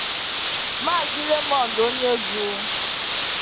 Maazị Raymond Onyegu